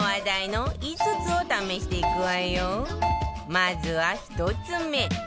まずは１つ目